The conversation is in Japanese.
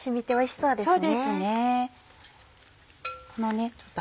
そうですね。